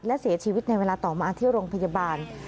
และเสียชีวิตในเวลาต่อมาที่โรงพยาบาล